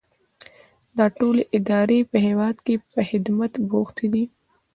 دا ټولې ادارې په هیواد کې په خدمت بوختې دي.